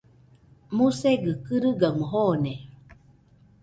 Musegɨ kɨrigamo jone.